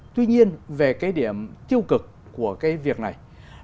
tuy nhiên về cái điểm tiêu cực của cái việc này